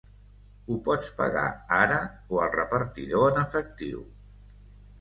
Ho pots pagar ara o al repartidor en efectiu.